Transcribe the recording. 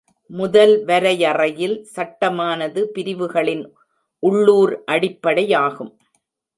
முதல் வரையறையில், சட்டமானது பிரிவுகளின் உள்ளூர் அடிப்படையாகும்.